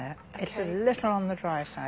はい。